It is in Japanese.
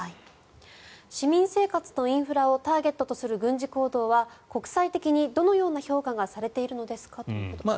市民生活のインフラをターゲットとする軍事行動は国際的にどのような評価がされているのですか？ということです。